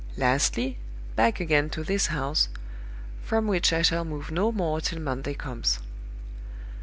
Lastly, back again to this house from which I shall move no more till Monday comes.